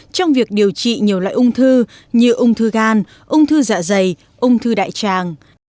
trong việc điều trị nhiều loại ung thư như ung thư gan ung thư dạ dày ung thư đại tràng